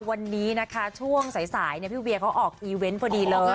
วันนี้นะคะช่วงสายพี่เวียเขาออกอีเวนต์พอดีเลย